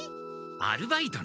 アルバイトに。